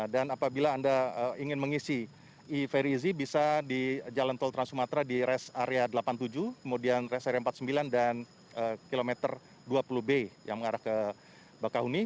dan apabila anda ingin mengisi ferizi bisa di jalan tol trans sumatra di res area delapan puluh tujuh kemudian res area empat puluh sembilan dan km dua puluh b yang mengarah ke bakahuni